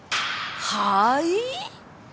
はい？